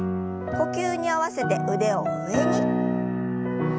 呼吸に合わせて腕を上に。